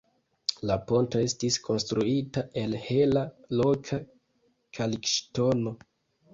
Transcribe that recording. La ponto estis konstruita el hela, loka kalkŝtono.